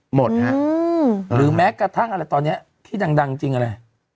หมดฮะหรือแม้กระทั่งอะไรตอนนี้ที่ดังจริงอะไร